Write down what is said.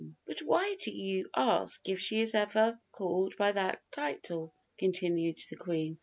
"But why do you ask if she is ever called by that title?" continued the Queen.